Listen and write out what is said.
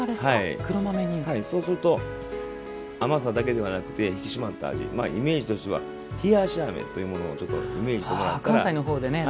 そうすると、甘さだけではなくて引き締まった味イメージとしては冷やしあめというものをちょっとイメージしてもらったら。